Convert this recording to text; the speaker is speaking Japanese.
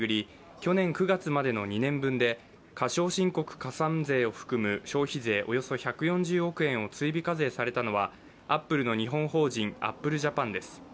去年９月までの２年分で過少申告加算税を含む消費税およそ１４０億円を追徴課税されたのはアップルの日本法人・アップルジャパンです。